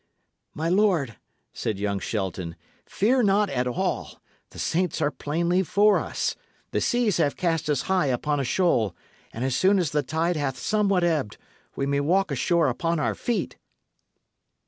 "My lord," said young Shelton, "fear not at all; the saints are plainly for us; the seas have cast us high upon a shoal, and as soon as the tide hath somewhat ebbed, we may walk ashore upon our feet."